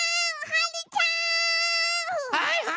はい！